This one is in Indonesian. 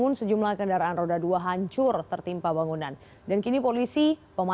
udah kita turun lalu kita seru evakuasi keluar semua